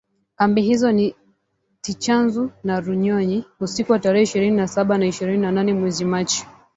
Kambi hizo ni Tchanzu na Runyonyi, usiku wa tarehe ishirini na saba na ishirini na nane mwezi Machi